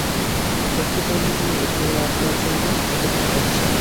একটি তরুণী মেয়ে ঘরে আপনার জন্য অপেক্ষা করছে।